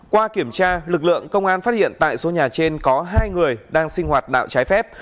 qua kiểm tra lực lượng công an phát hiện tại số nhà trên có hai người đang sinh hoạt đạo trái phép